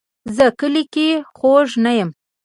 زه کلي کې خوښ نه یم